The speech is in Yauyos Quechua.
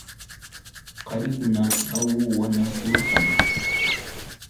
Qarikuna ahuwanakurqan.